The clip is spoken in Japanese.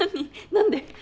何で？